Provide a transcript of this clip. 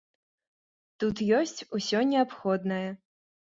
Тут ёсць усё неабходнае.